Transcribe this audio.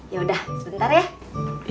yaudah sebentar ya